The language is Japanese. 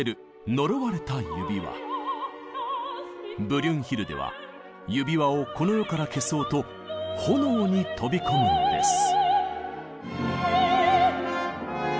ブリュンヒルデは「指環」をこの世から消そうと炎に飛び込むのです。